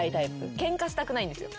ケンカしたくないんですよ。